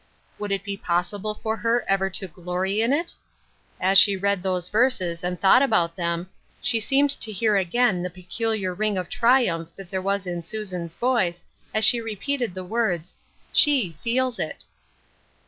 Would it be possible for her ever to " glory " in it ? As 121 122 Ruth Erskine's Crosses. she read those verses and thought about them, she seemed to hear again the peculiar ring of triumph that there was in Susan's voice, as she repeated the words, " She feels it."